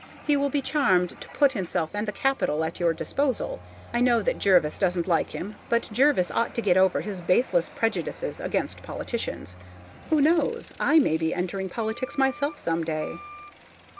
He will be charmed to put himself and the Capitol at your disposal. I know that Jervis doesn't like him, but Jervis ought to get over his baseless prejudices against politicians. Who knows? I may be entering politics myself some day.